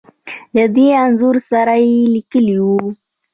له دې انځور سره يې ليکلې وو .